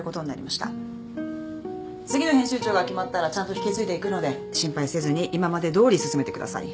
次の編集長が決まったらちゃんと引き継いでいくので心配せずに今までどおり進めてください。